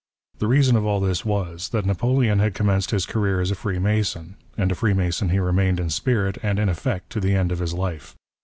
The reason of all this was, that Napoleon had com menced his career as a Freemason, and a Freemason he remained in spirit and in effect to the end f»f his life.